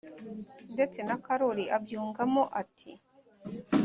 Ndetse na karori abyungamo ati